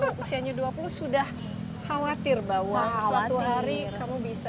belinda masih dua puluh sudah khawatir bahwa suatu hari